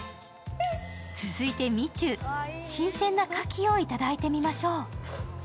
続いてみちゅ、新鮮なかきをいただいてみましょう。